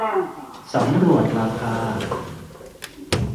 สำรวจราคา